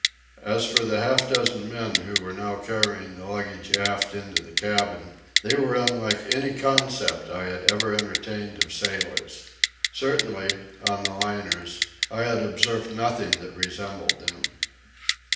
As for the half dozen men who were now carrying the luggage aft into the cabin, they were unlike any concept I had ever entertained of sailors. Certainly, on the liners, I had observed nothing that resembled them.